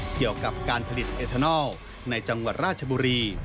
เกี่ยวกับการผลิตเอทานอลในจังหวัดราชบุรี